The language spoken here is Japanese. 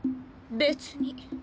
別に。